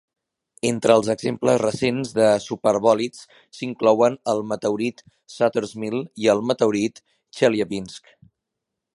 Entre els exemples recents de superbolids s'inclouen el meteorit Sutter's Mill i el meteorit Chelyabinsk.